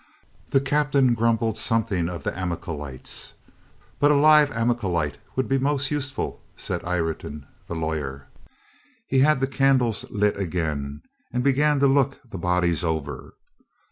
The captain grumbled something of the Amalekites. "But a live Amale kite would be most useful," said Ireton, the Lawyer. He had the candles lit again and began to look the bodies over.